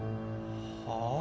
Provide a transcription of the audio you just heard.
はあ？